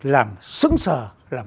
làm sững sờ làm